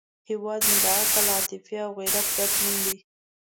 هیواد مې د عقل، عاطفې او غیرت ګډ نوم دی